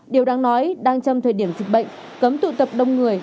điều đáng nói đang trong thời điểm dịch bệnh cấm tụ tập đông người